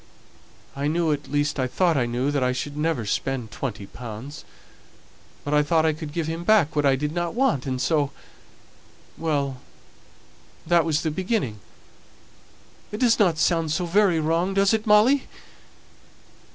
I knew at least I thought I knew that I should never spend twenty pounds; but I thought I could give him back what I didn't want, and so well, that was the beginning! It doesn't sound so very wrong, does it, Molly?"